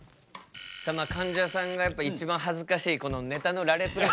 かんじゃさんがやっぱ一番恥ずかしいこのネタの羅列が。